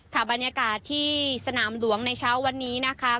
บรรยากาศที่สนามหลวงในเช้าวันนี้นะคะ